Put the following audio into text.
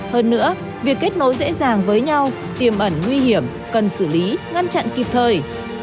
hơn nữa việc kết nối dễ dàng với nhau tiềm ẩn nguy hiểm cần xử lý ngăn chặn kịp thời